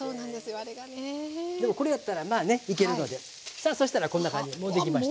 さあそしたらこんな感じでもうできました。